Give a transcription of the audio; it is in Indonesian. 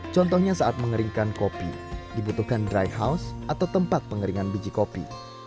contohnya saat mengeringkan kopi dibutuhkan dry house atau tempat pengeringan biji kopi